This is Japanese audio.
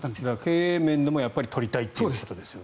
経営面でも取りたいということですよね。